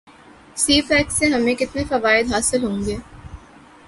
سی pack سے ہمیں کتنے فوائد حاصل ہوں گے